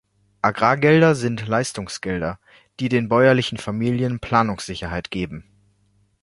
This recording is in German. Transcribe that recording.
Agrargelder sind Leistungsgelder, die den bäuerlichen Familien Planungssicherheit geben.